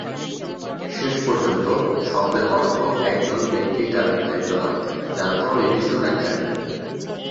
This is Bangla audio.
শেষ পর্যন্ত, শব্দের অর্থ একজন ব্যক্তির দ্বারা নির্ধারিত হয়, যার কোন নির্দিষ্ট ব্যাখ্যা নেই।